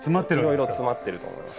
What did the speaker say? いろいろ詰まっていると思います。